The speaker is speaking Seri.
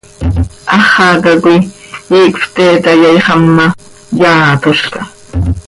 Háxaca coi iicp pte tayaaixam ma, yaatolca.